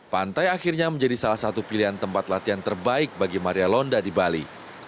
pantai akhirnya menjadi salah satu pilihan tempat latihan terbaik bagi maria londa di bali